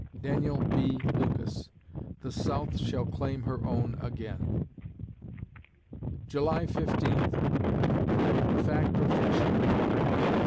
DANIEL B. LUCAS (The South Shall Claim Her Own Again) July Fifteenth FACT OR FICTION?